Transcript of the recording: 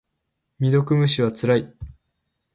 未読無視はつらい。